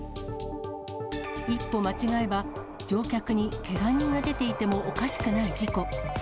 一歩間違えば、乗客にけが人が出ていてもおかしくない事故。